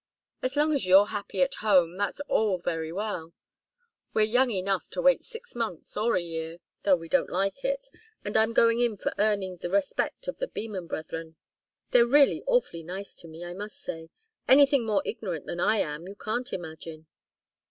As long as you're happy at home, that's all very well. We're young enough to wait six months or a year, though we don't like it, and I'm going in for earning the respect of the Beman Brethren they're really awfully nice to me, I must say. Anything more ignorant than I am you can't imagine!"